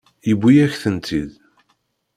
Yewwi-yak-tent-id.